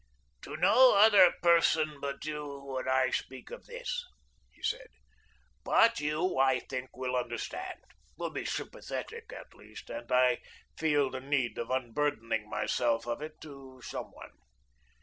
"To no other person but you would I speak of this," he said, "but you, I think, will understand will be sympathetic, at least, and I feel the need of unburdening myself of it to some one.